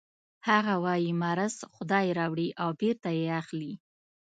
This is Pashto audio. هغه وايي مرض خدای راوړي او بېرته یې اخلي